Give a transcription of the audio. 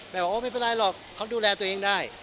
โอ้ไม่เป็นไรหรอกเขาดูแลตัวเองได้